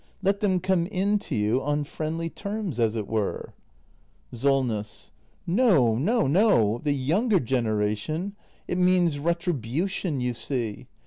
Let them come in to you on friendly terms, as it were. SOLNESS. No, no, no! The younger generation — it means retri bution, you see.